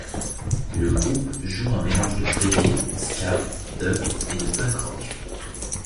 Le groupe joue un mélange de reggae, ska, dub et de punk rock.